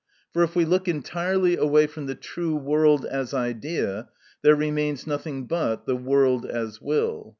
For if we look entirely away from the true world as idea, there remains nothing but the world as will.